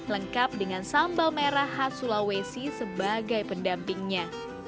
lengkap dengan sambal merah khas sulawesi sebagai pendampingnya